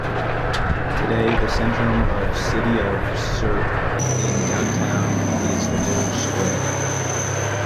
Today the centrum of City of Czersk in downtown is the Village Square.